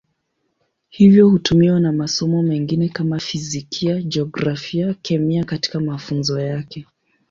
Hivyo hutumiwa na masomo mengine kama Fizikia, Jiografia, Kemia katika mafunzo yake.